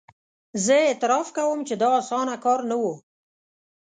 زه اعتراف کوم چې دا اسانه کار نه وو.